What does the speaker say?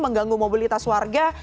mengganggu mobilitas warga